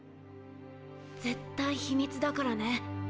絶対秘密だからね。